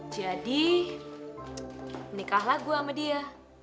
jadi menikahlah gue sama dia